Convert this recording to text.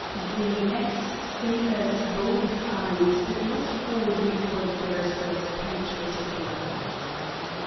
The ex sailor's bold eyes did not fall before the barrister's penetrating glance.